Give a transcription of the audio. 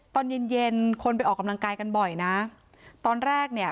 ตอนเย็นเย็นคนไปออกกำลังกายกันบ่อยนะตอนแรกเนี่ย